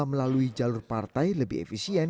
melalui jalur partai lebih efisien